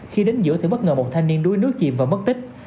khi đến giữa thì bất ngờ một thanh niên đuối nước chìm và mất tích